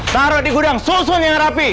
taruh di gudang susun yang rapi